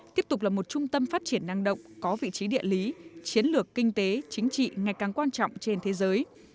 tiếp tục là một trung tâm phát triển năng động có vị trí địa lý chiến lược kinh tế chính trị ngày càng quan trọng trên thế giới